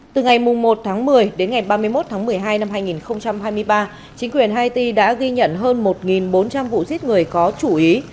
từ ngày một tháng một mươi đến ngày ba mươi một tháng một mươi hai năm hai nghìn hai mươi ba chính quyền haiti đã ghi nhận hơn một bốn trăm linh vụ giết người có chủ ý